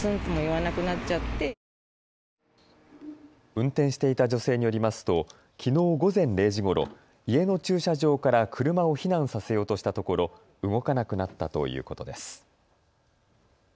運転していた女性によりますときのう午前０時ごろ家の駐車場から車を避難させようとしたところ動かなくなったということです。